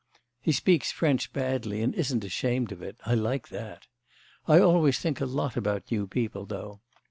(He speaks French badly and isn't ashamed of it I like that.) I always think a lot about new people, though.